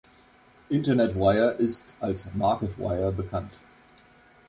Internet Wire ist als Marketwire bekannt.